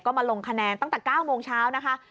ก็มาลงคะแนนตั้งแต่๙โมงเช้านะคะ